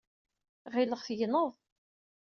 Ɣileɣ tegneḍ.